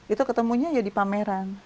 itu ketemunya ya di pameran